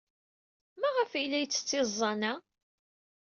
Maɣef ay la yettett iẓẓan-a?